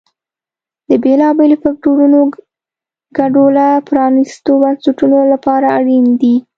د بېلابېلو فکټورونو ګډوله پرانیستو بنسټونو لپاره اړین دي.